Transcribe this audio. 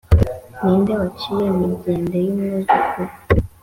Ni nde waciye imigende y umwuzure